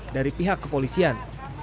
dari pihak kepolisian